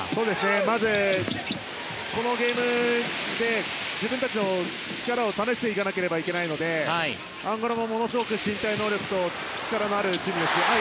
まず、このゲームで自分たちの力を試していかなければいけないのでアンゴラもものすごく身体能力もありますし。